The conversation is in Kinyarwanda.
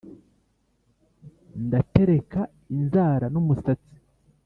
ndatereka inzara n'umusatsi